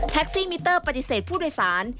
ซี่มิเตอร์ปฏิเสธผู้โดยสาร